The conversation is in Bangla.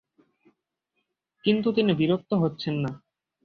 কিন্তু তিনি বিরক্ত হচ্ছেন না।